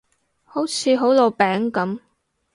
好似好老餅噉